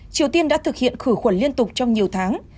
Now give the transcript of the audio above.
triều tiên đã thực hiện khử khuẩn liên tục trong nhiều tháng